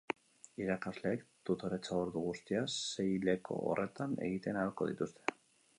Irakasleek tutoretza-ordu guztiak seihileko horretan egiten ahalko dituzte.